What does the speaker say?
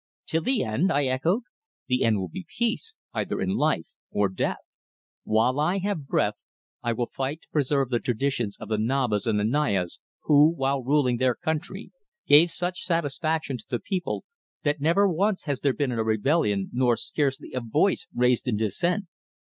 "Till the end!" I echoed. "The end will be peace, either in life or death." "While I have breath I will fight to preserve the traditions of the Nabas and the Nayas who, while ruling their country, gave such satisfaction to the people that never once has there been a rebellion nor scarcely a voice raised in dissent.